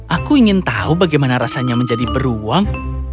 aku ingin tahu bagaimana rasanya menjadi beruang